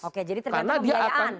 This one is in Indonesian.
oke jadi terdapat kebiayaan